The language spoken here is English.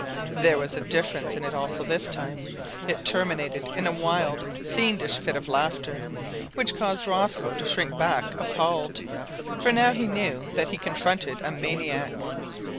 There was a difference in it also this time it terminated in a wild, fiendish fit of laughter, which caused Rosco to shrink back appalled; for now he knew that he confronted a maniac!